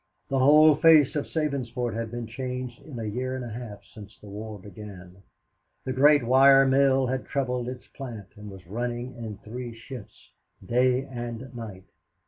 The whole face of Sabinsport had been changed in the year and a half since the war began. The great wire mill had trebled its plant and was running in three shifts, day and night.